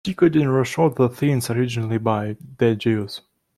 Ticotin reshot the scenes originally by De Jesus.